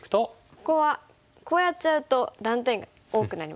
ここはこうやっちゃうと断点が多くなりますもんね。